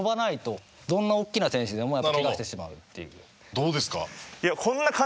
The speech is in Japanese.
どうですか？